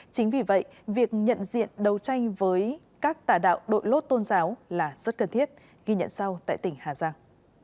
chính vì vậy việc nhận diện đấu tranh với các tà đạo đội lốt tôn giáo là rất cần thiết ghi nhận sau tại tỉnh hà giang